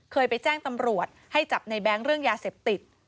เคยไปแจ้งตำรวจให้จับในแบงค์เรื่องยาเสพติด